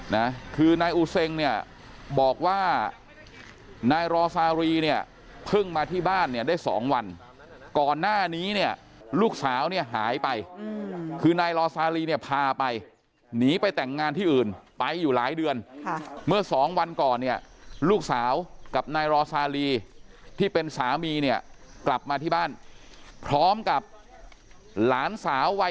นะคือนายอูเซ็งเนี่ยบอกว่านายรอซารีเนี่ยเพิ่งมาที่บ้านเนี่ยได้สองวันก่อนหน้านี้เนี่ยลูกสาวเนี่ยหายไปคือนายรอซาลีเนี่ยพาไปหนีไปแต่งงานที่อื่นไปอยู่หลายเดือนค่ะเมื่อสองวันก่อนเนี่ยลูกสาวกับนายรอซาลีที่เป็นสามีเนี่ยกลับมาที่บ้านพร้อมกับหลานสาววัย